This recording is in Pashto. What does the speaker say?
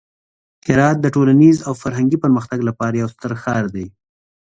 هرات د ټولنیز او فرهنګي پرمختګ لپاره یو ستر ښار دی.